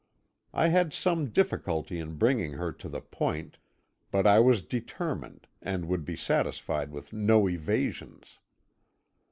I had some difficulty in bringing her to the point, but I was determined, and would be satisfied with no evasions.